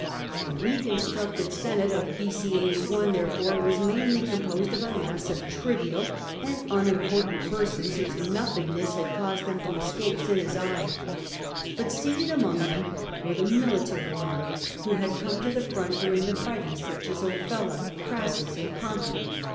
The reconstructed Senate of b.c. 81 , therefore, was mainly composed of a mass of trivial and unimportant persons, whose nothingness had caused them to escape Cinna's eye. But seated among them were the military men who had come to the front during the fighting, such as Ofella, Crassus, and Pompey.